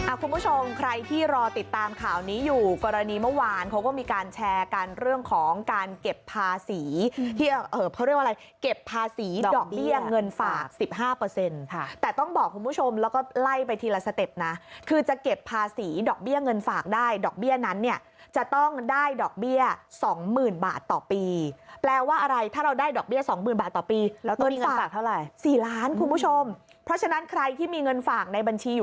อ่ะคุณผู้ชมใครที่รอติดตามข่าวนี้อยู่กรณีเมื่อวานเขาก็มีการแชร์การเรื่องของการเก็บภาษีที่เอ่อเขาเรียกว่าอะไรเก็บภาษีดอกเบี้ยเงินฝากสิบห้าเปอร์เซ็นต์ค่ะแต่ต้องบอกคุณผู้ชมแล้วก็ไล่ไปทีละสเต็ปนะคือจะเก็บภาษีดอกเบี้ยเงินฝากได้ดอกเบี้ยนั้นเนี่ยจะต้องได้ดอกเบี้ยสองหมื่นบาทต่อ